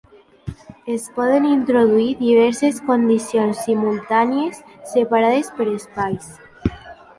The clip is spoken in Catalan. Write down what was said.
Es poden introduir diverses condicions simultànies separades per espais.